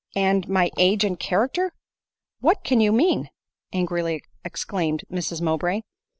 and ray age and character ! what can you mean ?" angrily exclaimed Mrs Mowbray.